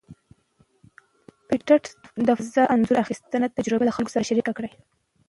پېټټ د فضا انځور اخیستلو تجربه د خلکو سره شریکه کړه.